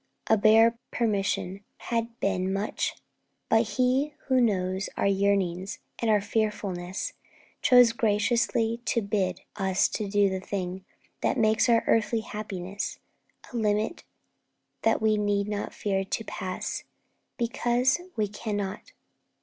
A bare permission had been much; but He Who knows our yearnings and our fearfulness, Chose graciously to bid us do the thing That makes our earthly happiness, A limit that we need not fear to pass, Because we cannot.